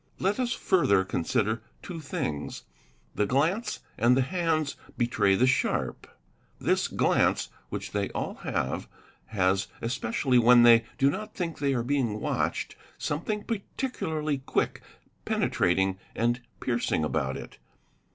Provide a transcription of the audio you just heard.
| Let us further consider two things ; the glance and the hands betray the sharp. This glance, which they all have, has, especially when they do not think they are being watched, something particularly quick, penetrating, and piercing about it.